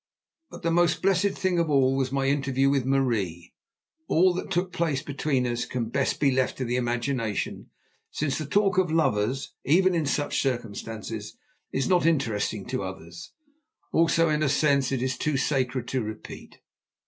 But the most blessed thing of all was my interview with Marie. All that took place between us can best be left to the imagination, since the talk of lovers, even in such circumstances, is not interesting to others. Also, in a sense, it is too sacred to repeat.